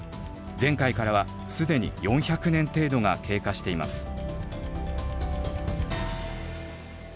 前回からは既に４００年程度が経過しています。